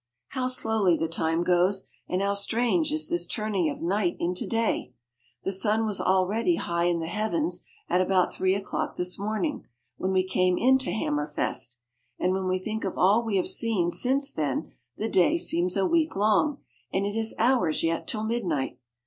How slowly the time goes, and how strange is this turn ing of night into day ! The sun was already high in the heavens at about three o'clock this morning, when we came into Hammerfest ; and when we think of all we have seen since then the day seems a week long, and it is hours yet till midnight.